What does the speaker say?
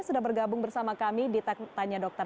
sudah bergabung bersama kami di tanya dokter